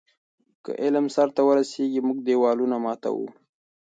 که علم سرته ورسیږي، موږ دیوالونه ماتوو.